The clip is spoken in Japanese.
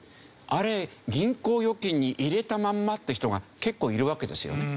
あれ銀行預金に入れたまんまっていう人が結構いるわけですよね。